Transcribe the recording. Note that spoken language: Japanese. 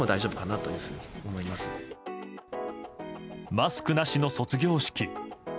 マスクなしの卒業式。